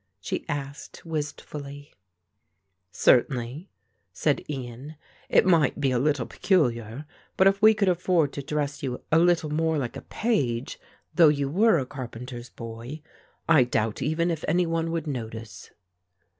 she asked wistfully. "Certainly," said Ian; "it might be a little peculiar, but if we could afford to dress you a little more like a page though you were a carpenter's boy, I doubt even if any one would notice."